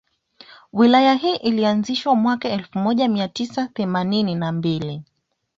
Wilaya hii ilianzishwa mwaka elfu moja mia tisa themanini na mbili